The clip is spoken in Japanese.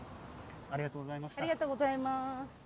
ありがとうございます。